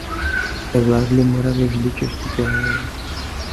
Poté vládli Moravě vždy čeští králové.